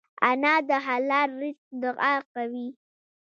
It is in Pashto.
انا د حلال رزق دعا کوي